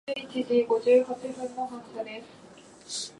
長野県喬木村